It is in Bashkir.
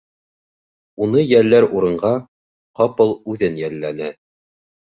Уны йәлләр урынға... ҡапыл үҙен йәлләне.